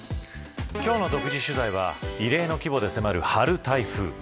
今日の独自取材は異例の規模で迫る春台風。